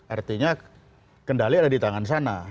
artinya kendali ada di tangan sana